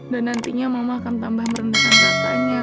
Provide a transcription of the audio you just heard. dan nantinya mama akan tambah merendahkan katanya